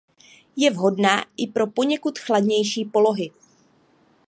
Je vhodná i pro poněkud chladnější polohy.